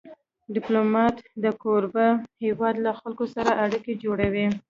ډيپلومات د کوربه هېواد له خلکو سره اړیکې جوړوي.